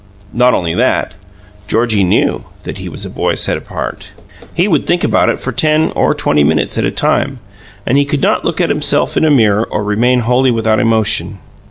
Not only that; Georgie knew that he was a boy set apart. He would think about it for ten or twenty minutes at a time, and he could not look at himself in a mirror and remain wholly without emotion.